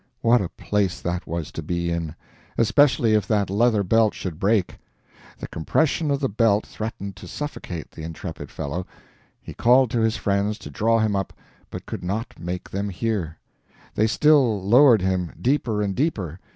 What a place that was to be in especially if that leather belt should break! The compression of the belt threatened to suffocate the intrepid fellow; he called to his friends to draw him up, but could not make them hear. They still lowered him, deeper and deeper.